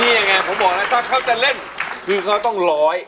นี่อย่างนี้ผมบอกว่าตอนเค้าจะเล่นคือเค้าต้อง๑๐๐